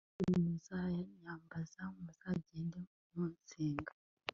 kandi muzanyambaza, muzagenda munsenga